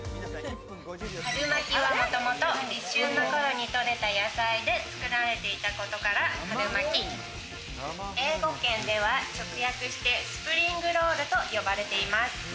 春巻きは、もともと立春の頃に採れた野菜で作られていたことから、春巻き、英語圏では直訳してスプリングロールと呼ばれています。